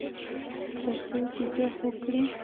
ترڅو چې جوښ وکړي.